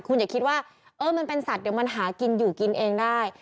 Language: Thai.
คุณอย่าคิดว่าเออมันเป็นสัตว์เดี๋ยวมันหากินอยู่กินเองได้